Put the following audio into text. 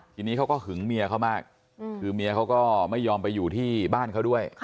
ทีนี้เขาก็หึงเมียเขามากคือเมียเขาก็ไม่ยอมไปอยู่ที่บ้านเขาด้วย